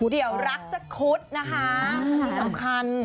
เดี๋ยวรักจะคุดนะคะอันนี้สำคัญ